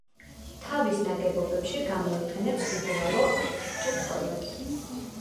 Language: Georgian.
თავის ნაგებობებში გამოიყენებს უბრალო, აბსტრაქტულ ფორმებს.